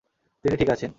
তিনি ঠিক আছেন।